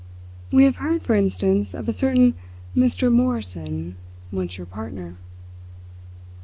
"We have heard, for instance, of a certain Mr. Morrison, once your partner."